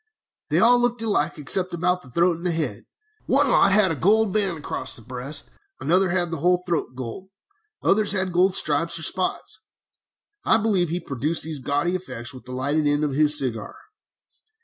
"They all looked alike except about the throat and head. One lot had a gold band across the breast, another had the whole throat gold, others had gold stripes or spots. I believe he produced these gaudy effects with the lighted end of his cigar.